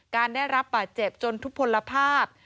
การได้รับบาดเจ็บจนทุกผลภาพ